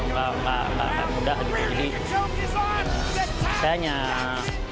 mungkinemen sudah polosetani